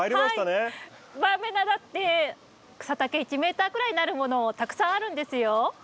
バーベナだって草丈１ｍくらいになるものたくさんあるんですよ。